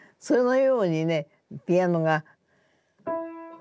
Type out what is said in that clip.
そのようにねピアノが。